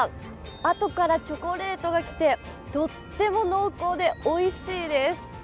あとからチョコレートが来て、とっても濃厚で、おいしいです。